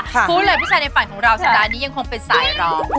พูดเลยผู้ชายในฝันของเราสัปดาห์นี้ยังคงเป็นสายรอง